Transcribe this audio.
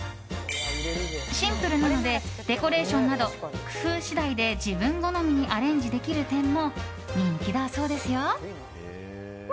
シンプルなのでデコレーションなど工夫次第で自分好みにアレンジできる点も人気だそうですよ。